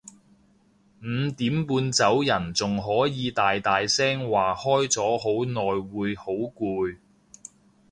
五點半走人仲可以大大聲話開咗好耐會好攰